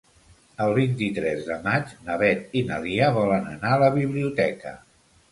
El vint-i-tres de maig na Beth i na Lia volen anar a la biblioteca.